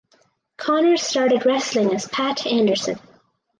Connors started wrestling as Pat Anderson.